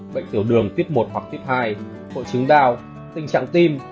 bệnh tiểu đường tiết một hoặc tiết hai hội chứng đau tình trạng tim